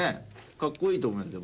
かっこいいと思いますでも。